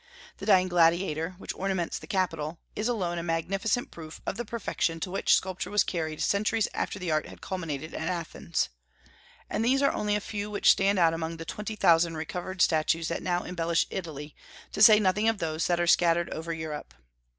The Dying Gladiator, which ornaments the capitol, is alone a magnificent proof of the perfection to which sculpture was carried centuries after the art had culminated at Athens. And these are only a few which stand out among the twenty thousand recovered statues that now embellish Italy, to say nothing of those that are scattered over Europe.